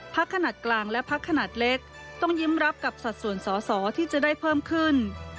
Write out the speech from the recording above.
ขนาดกลางและพักขนาดเล็กต้องยิ้มรับกับสัดส่วนสอสอที่จะได้เพิ่มขึ้น